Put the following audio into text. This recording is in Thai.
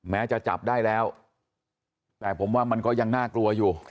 แม้จะจับได้แล้วแต่ผมว่ามันก็ยังน่ากลัวอยู่